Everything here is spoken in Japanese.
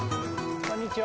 こんにちは。